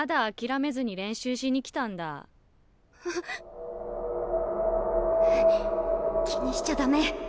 心の声気にしちゃダメ。